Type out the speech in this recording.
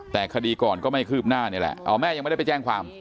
แต่คดีก่อนก็ไม่คืบหน้านี่แหละแม่ยังไม่ได้ไปแจ้งความ